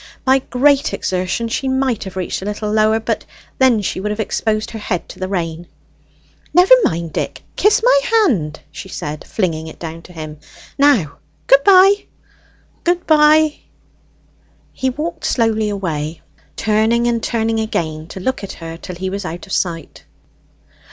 By great exertion she might have reached a little lower; but then she would have exposed her head to the rain. "Never mind, Dick; kiss my hand," she said, flinging it down to him. "Now, good bye." "Good bye." He walked slowly away, turning and turning again to look at her till he was out of sight.